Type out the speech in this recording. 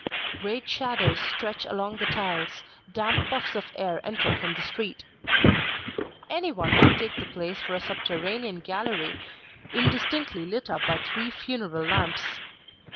Great shadows stretch along the tiles, damp puffs of air enter from the street. Anyone might take the place for a subterranean gallery indistinctly lit up by three funeral lamps.